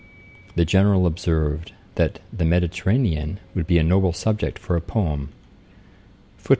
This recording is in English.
The General observed, that 'THE MEDITERRANEAN would be a noble subject for a poem.'